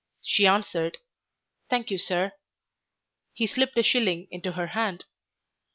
She answered, "Thank you, sir." He slipped a shilling into her hand.